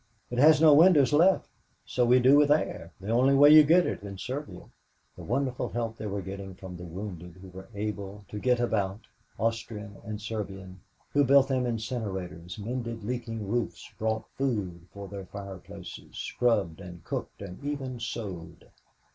"It has no windows left, so we do have air. The only way you get it in Serbia." The wonderful help they were getting from the wounded who were able to get about Austrian and Serbian who built them incinerators, mended leaking roofs, brought wood for their fireplaces, scrubbed and cooked and even sewed.